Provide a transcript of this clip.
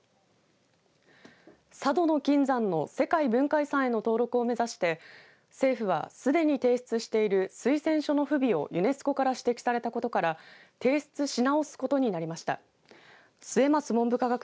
佐渡島の金山の世界文化遺産への登録を目指して政府はすでに提出している推薦書の不備をユネスコから指摘されたことから提出し直すことになりました。